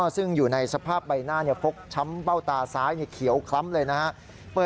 ซึ่งอยู่ในสภาพใบหน้าฟกช้ำเบ้าตาซ้ายเขียวคล้ำเลยนะครับ